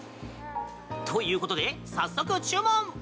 ということで、早速注文。